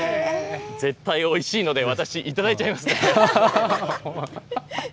絶対おいしいので、私、頂いちゃいますね。